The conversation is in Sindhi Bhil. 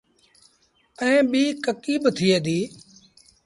ائيٚݩ ٻيٚ ڪڪي با ٿئي ديٚ۔